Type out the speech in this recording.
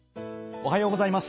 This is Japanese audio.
おはようございます。